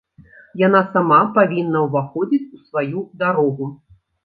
Яна сама павінна ўваходзіць у сваю дарогу.